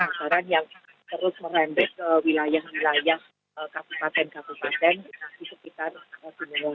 kebakaran yang terus merembet ke wilayah wilayah kabupaten kabupaten di sekitar gunung